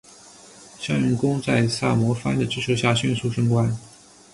向永功在萨摩藩的支持下迅速升官。